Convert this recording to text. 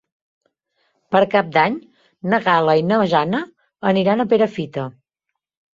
Per Cap d'Any na Gal·la i na Jana aniran a Perafita.